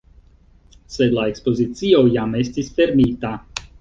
Sed la ekspozicio jam estis fermita.